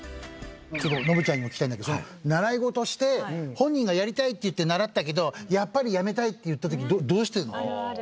ノブちゃんにも聞きたいんだけど習い事して本人が「やりたい」って言って習ったけど「やっぱりやめたい」って言った時どうしてるの？